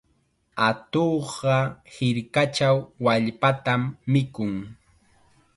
Atuqqa hirkachaw wallpatam mikun.